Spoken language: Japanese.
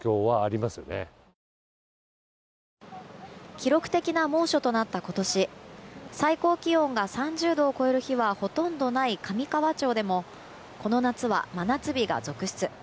記録的な猛暑となった今年最高気温が３０度を超える日はほとんどない上川町でもこの夏は真夏日が続出。